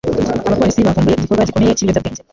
Abapolisi bavumbuye igikorwa gikomeye cy’ibiyobyabwenge.